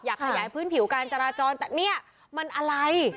ขยายพื้นผิวการจราจรแต่เนี่ยมันอะไร